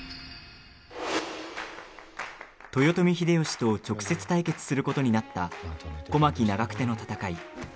豊臣秀吉と直接対決することになった小牧・長久手の戦い。